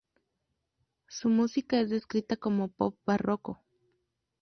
Su música es descrita como pop barroco.